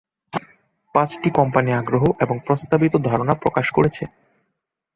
পাঁচটি কোম্পানি আগ্রহ এবং প্রস্তাবিত ধারণা প্রকাশ করেছে।